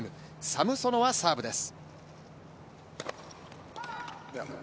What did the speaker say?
サムソノワ、サーブです。